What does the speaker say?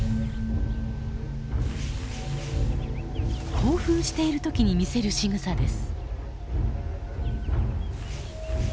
興奮している時に見せるしぐさです。